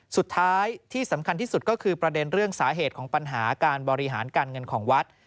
ที่สำคัญที่สุดก็คือประเด็นเรื่องสาเหตุของปัญหาการบริหารการเงินของวัด